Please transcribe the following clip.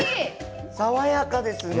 爽やかですね。